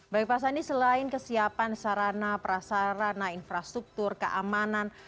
baik pak sandi selain kesiapan sarana prasarana infrastruktur keamanan